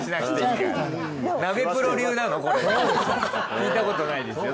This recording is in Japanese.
聞いたことないですよ